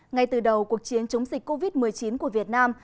ngay từ đầu cuộc chiến chống dịch covid một mươi chín của việt nam